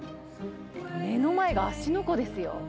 目の前が芦ノ湖ですよ。